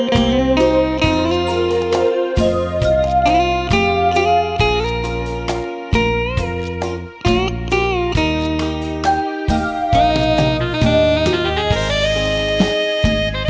ดุล